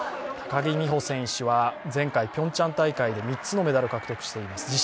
高木美帆選手は前回ピョンチャン大会で３つのメダルを獲得しています。